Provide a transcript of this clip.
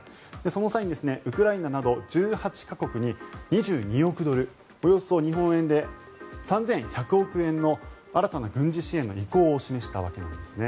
その際にウクライナなど１８か国に２２億ドル日本円でおよそ３１００億円の新たな軍事支援の意向を示したわけなんです。